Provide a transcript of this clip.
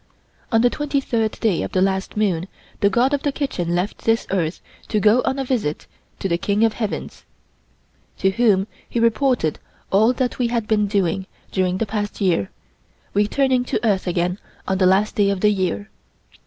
On the twenty third day of the last moon the God of the Kitchen left this earth to go on a visit to the King of Heaven, to whom he reported all that we had been doing during the past year, returning to earth again on the last day of the year.